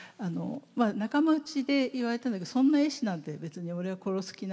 仲間内で言われたんだけど「そんな絵師なんて別に俺は殺す気ない」。